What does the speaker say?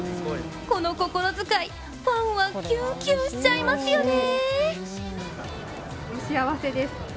この心遣いファンはキュンキュンしちゃいますよね